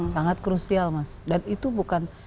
sangat krusial mas dan itu bukan